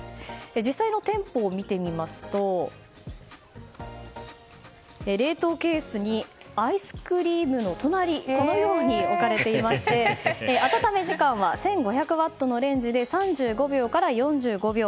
実際の店舗を見てみますと冷凍ケースにアイスクリームの隣このように置かれていまして温め時間は１５００ワットのレンジで３５秒から４５秒。